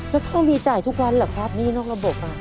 แล้วก็มีจ่ายทุกวันเหรอครับมีนอกระบบอ่ะ